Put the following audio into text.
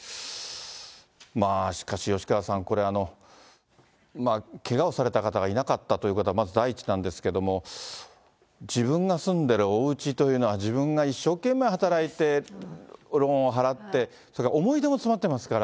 まあしかし、吉川さん、これ、けがをされた方がいなかったということはまず第一なんですけども、自分が住んでいるおうちというのは、自分が一生懸命働いてローンを払って、それから思い出も詰まってますから。